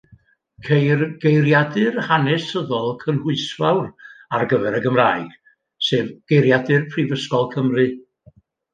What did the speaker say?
Ceir geiriadur hanesyddol cynhwysfawr ar gyfer y Gymraeg, sef Geiriadur Prifysgol Cymru.